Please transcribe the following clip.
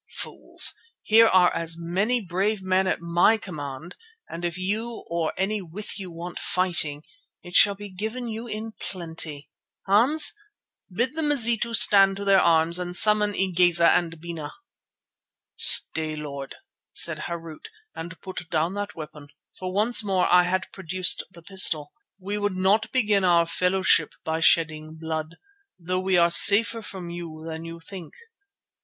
Fools, here are many brave men at my command, and if you or any with you want fighting it shall be given you in plenty. Hans, bid the Mazitu stand to their arms and summon Igeza and Bena." "Stay, Lord," said Harût, "and put down that weapon," for once more I had produced the pistol. "We would not begin our fellowship by shedding blood, though we are safer from you than you think.